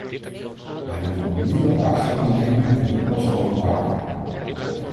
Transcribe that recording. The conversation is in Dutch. Wij moeten onmiddellijk actie ondernemen en niet pas over een paar jaar.